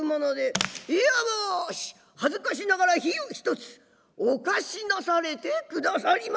「いや申し恥ずかしながら火を一つお貸しなされてくださりませ」。